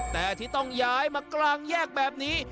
แต่ที่ต้องย้ายมากลางแยกแบบนี้